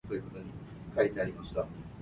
咱